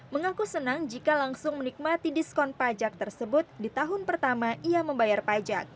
mengaku senang jika langsung menikmati diskon pajak tersebut di tahun pertama ia membayar pajak